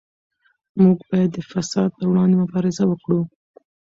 موږ باید د فساد پر وړاندې مبارزه وکړو.